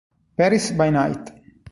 Paris by Night